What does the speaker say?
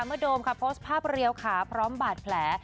โดมค่ะโพสต์ภาพเรียวขาพร้อมบาดแผล